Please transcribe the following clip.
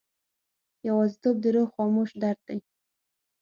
یوازیتوب د روح خاموش درد دی.